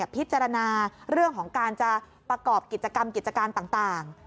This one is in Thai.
พิจารณาเรื่องของการจะประกอบกิจกรรมกิจการต่าง